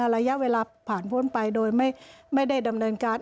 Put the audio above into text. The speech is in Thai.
ระยะเวลาผ่านพ้นไปโดยไม่ได้ดำเนินการ